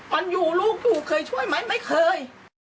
มันอยู่ลูกอยู่เคยช่วยไหมไม่เคย